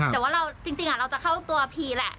แต่ว่าจริงเราจะเข้าตัวพีแหละ